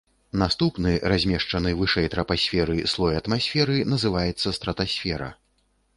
Наступны, размешчаны вышэй трапасферы, слой атмасферы называецца стратасфера.